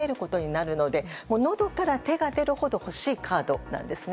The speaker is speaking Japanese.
これは国内の求心力を高めることになるのでのどから手が出るほど欲しいカードなんですね。